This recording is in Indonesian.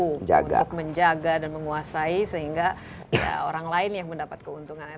untuk menjaga dan menguasai sehingga ya orang lain yang mendapat keuntungan